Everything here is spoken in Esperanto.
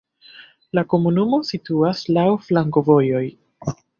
La komunumo situas laŭ flankovojoj.